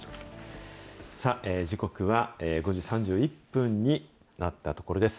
さあ、時刻は５時３１分になったところです。